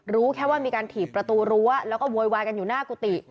รู้แค่ว่ามีการถีบประตูรั้วแล้วก็โวยวายกันอยู่หน้ากุฏิ